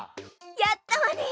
やったわね！